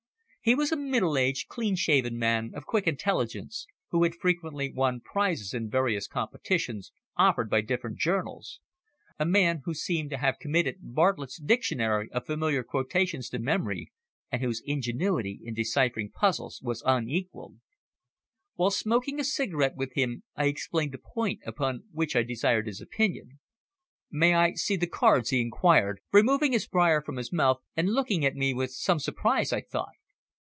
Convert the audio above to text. He was a middle aged, clean shaven man of quick intelligence, who had frequently won prizes in various competitions offered by different journals; a man who seemed to have committed Bartlett's Dictionary of Familiar Quotations to memory, and whose ingenuity in deciphering puzzles was unequalled. While smoking a cigarette with him, I explained the point upon which I desired his opinion. "May I see the cards?" he inquired, removing his briar from his mouth and looking at me with some surprise, I thought.